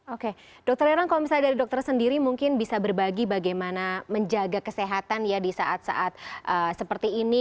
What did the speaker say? oke dokter iron kalau misalnya dari dokter sendiri mungkin bisa berbagi bagaimana menjaga kesehatan ya di saat saat seperti ini